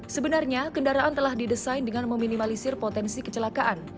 sebenarnya kendaraan telah didesain dengan meminimalisir potensi kecelakaan